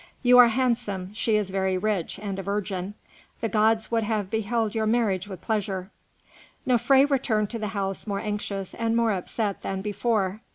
You are handsome; she is very rich and a virgin; the gods would have beheld your marriage with pleasure." Nofré returned to the house more anxious and more upset than before.